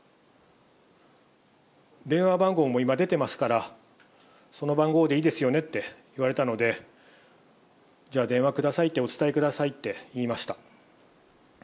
電話番号も今出てますから、その番号でいいですよねって言われたので、じゃあ、電話くださいって、お伝えくださいって言いました。